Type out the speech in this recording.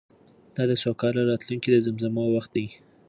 دا د سوکاله راتلونکې د زمزمو وخت و.